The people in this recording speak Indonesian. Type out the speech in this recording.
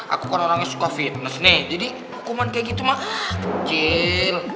aku kan orangnya suka fitnes nih jadi hukuman kayak gitu mah kecil